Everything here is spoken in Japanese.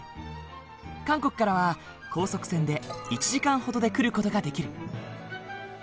韓国からは高速船で１時間ほどで来る事ができる。